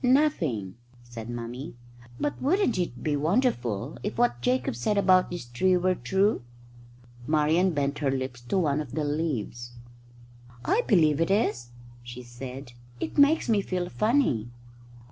"Nothing," said Mummy, "but wouldn't it be wonderful if what Jacob said about this tree were true?" Marian bent her lips to one of the leaves. "I believe it is," she said. "It makes me feel funny."